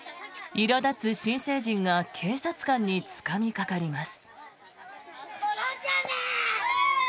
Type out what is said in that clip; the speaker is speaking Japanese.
いら立つ新成人が警察官につかみかかります。